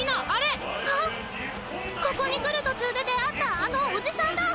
ここに来る途中で出会ったあのおじさんだ！